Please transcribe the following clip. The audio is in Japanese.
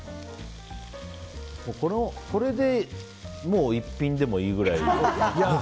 これでもう一品でもいいくらい。